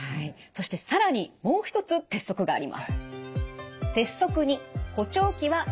そして更にもう一つ鉄則があります。